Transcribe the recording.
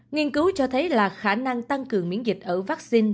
nghiên cứu cho thấy là khả năng tăng cường miễn dịch ở vaccine